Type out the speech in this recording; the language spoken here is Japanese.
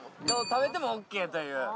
どう食べてもオーケーという。